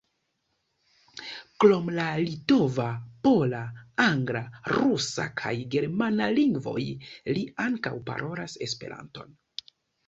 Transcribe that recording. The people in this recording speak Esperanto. Krom la litova, pola, angla, rusa kaj germana lingvoj, li ankaŭ parolas Esperanton.